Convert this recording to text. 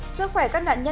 sức khỏe các nạn nhân